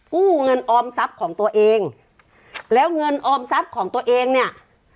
กู้เงินออมทรัพย์ของตัวเองแล้วเงินออมทรัพย์ของตัวเองเนี่ย